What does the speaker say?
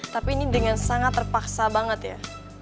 tapi ini dengan sangat terpaksa banget ya